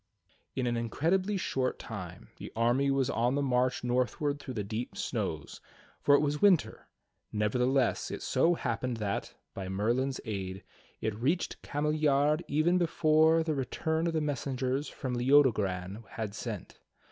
In an incredibly short time the army was on the march northward through the deep snows, for it was winter; nevertheless, it so happened that, by Merlin's aid, it reached Cameliard even before the return of the messengers whom Leodogran had sent.